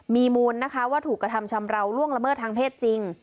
มีมูลนะคะว่าถูกกระทำชำราวล่วงละเมิดทางเพศจริง